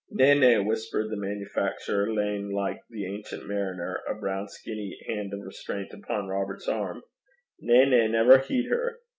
'Na, na,' whispered the manufacturer, laying, like the Ancient Mariner, a brown skinny hand of restraint upon Robert's arm 'na, na, never heed her.